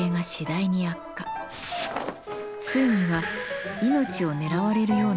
ついには命を狙われるようになります。